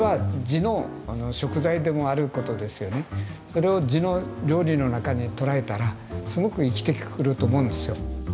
それを地の料理の中に捉えたらすごく生きてくると思うんですよ。